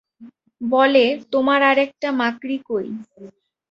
বলে, তোমার আর একটা মাকড়ি কই?